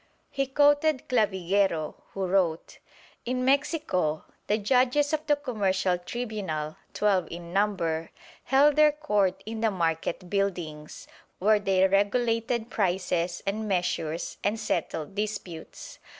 He quoted Clavigero, who wrote: "In Mexico the judges of the commercial tribunal, twelve in number, held their court in the market buildings, where they regulated prices and measures and settled disputes.